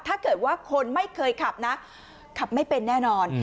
ถ้าเกิดว่าคนไม่เคยขับนะขับไม่เป็นแน่นอน